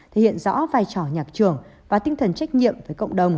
thể hiện rõ vai trò nhạc trưởng và tinh thần trách nhiệm với cộng đồng